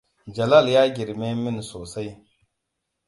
Jalal ya girme min sosai.